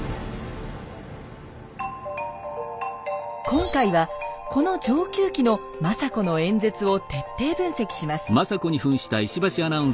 今回はこの「承久記」の政子の演説を徹底分析します。